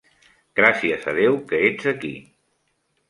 Gràcies a Déu que ets aquí!